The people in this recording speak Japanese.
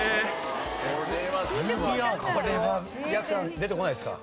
これはやくさん出てこないですか？